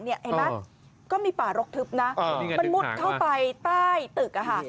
เห็นไหมก็มีป่ารกทึบนะมันมุดเข้าไปใต้ตึก